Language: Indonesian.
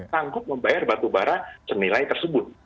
sanggup membayar batu bara cernilai tersebut